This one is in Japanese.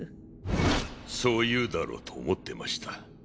そう言うだろうと思ってました。